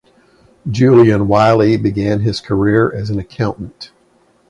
Julian Wylie began his career as an accountant.